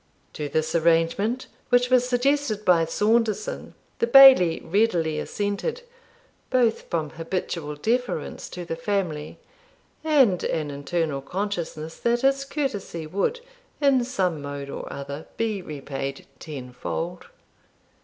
To this arrangement, which was suggested by Saunderson, the Bailie readily assented, both from habitual deference to the family, and an internal consciousness that his courtesy would, in some mode or other, be repaid tenfold.